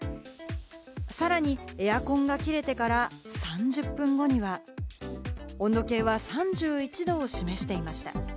さらにエアコンが切れてから３０分後には、温度計は３１度を示していました。